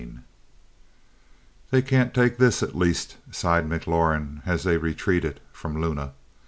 IX "They can't take this, at least," sighed McLaurin as they retreated from Luna.